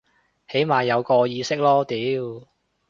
起碼有個意識囉屌